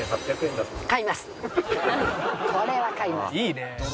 これは買います。